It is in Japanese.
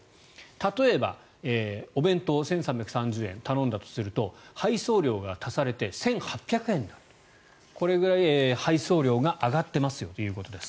例えば、お弁当１３３０円頼んだとすると配送料が足されて１８００円になるとこれぐらい配送料が上がってますよということです。